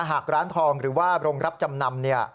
หากร้านทองหรือว่าโรงรับจำนำ